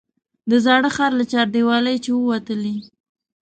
د زاړه ښار له چاردیوالۍ چې ووتلې.